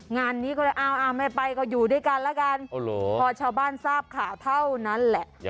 งานนี้ก็เลยอ้าวไม่ไปก็อยู่ด้วยกันแล้วกันพอชาวบ้านทราบข่าวเท่านั้นแหละ